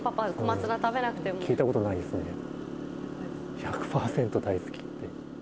「１００％大好き」って。